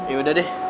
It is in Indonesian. ya udah deh